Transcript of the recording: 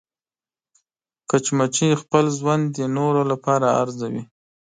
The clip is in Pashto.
مچمچۍ خپل ژوند د نورو لپاره ارزوي